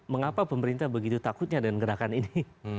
mengapa pemerintah begitu takutnya dengan gerakan ini